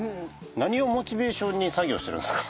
何をモチベーションに作業してるんですか？